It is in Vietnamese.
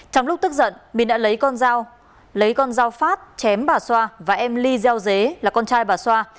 trong lúc tức giận mìn đã lấy con dao phát chém bà xoa và em ly gieo dế là con trai bà xoa